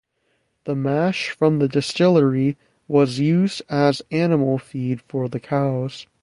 The mash from the distillery was used as animal feed for the cows.